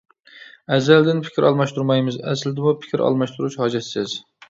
ئەزەلدىن پىكىر ئالماشتۇرمايمىز، ئەسلىدىمۇ پىكىر ئالماشتۇرۇش ھاجەتسىز.